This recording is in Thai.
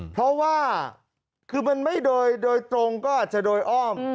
เพราะว่าคือมันไม่โดยตรงก็อาจจะโดยอ้อม